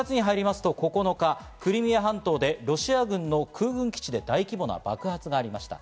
また８月に入って９日、クリミア半島でロシア軍の空軍基地で大規模な爆発がありました。